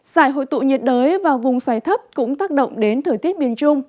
xảy hội tụ nhiệt đới vào vùng xoay thấp cũng tác động đến thời tiết miền trung